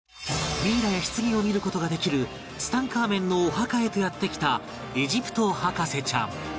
ミイラや棺を見る事ができるツタンカーメンのお墓へとやって来たエジプト博士ちゃん